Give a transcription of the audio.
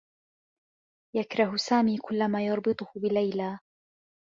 يكره سامي كلّ ما يربطه بليلى.